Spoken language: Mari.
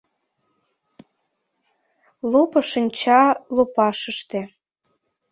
Лопо шинча лопашыште